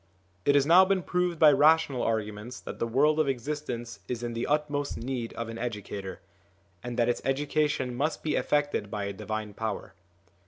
It has now been proved by rational arguments that the world of existence is in the utmost need of an educator, and that its education must be effected by a divine power.